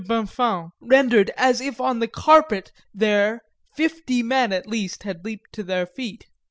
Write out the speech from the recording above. Bonnefons rendered as if on the carpet there fifty men at least had leaped to their feet.